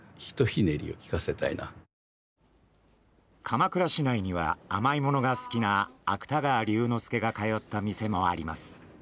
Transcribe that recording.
鎌倉市内には甘いものが好きな芥川龍之介が通った店もあります。